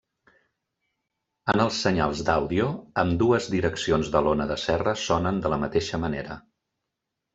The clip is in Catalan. En els senyals d'àudio, ambdues direccions de l'ona de serra sonen de la mateixa manera.